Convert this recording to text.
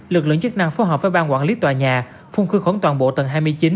lực lượng chức năng phối hợp với bang quản lý tòa nhà phung khu khuẩn toàn bộ tầng hai mươi chín